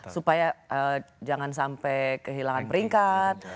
supaya jangan sampai kehilangan peringkat